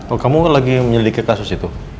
oh kamu lagi menyelidiki kasus itu